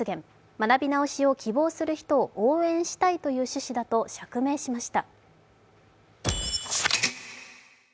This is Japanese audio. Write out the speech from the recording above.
学び直しを希望する人を応援したいという趣旨だと釈明しました。